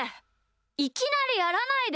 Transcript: いきなりやらないで。